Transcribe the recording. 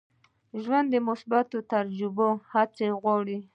د ژوند مثبتې تجربې هڅه غواړي.